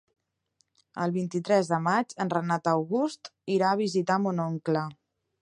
El vint-i-tres de maig en Renat August irà a visitar mon oncle.